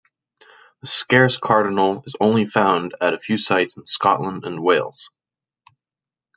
The scarce cardinal is only found at a few sites in Scotland and Wales.